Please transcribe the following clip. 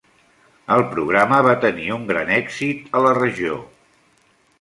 El programa va tenir un gran èxit a la regió.